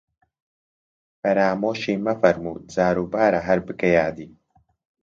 فەرامۆشی مەفەرموو، جاروبارە هەر بکە یادی